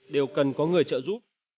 đều cần có người trợ giúp